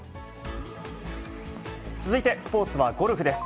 続いてスポーツはゴルフです。